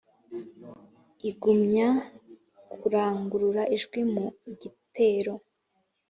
Igumya kurangurura ijwi mu gitero ;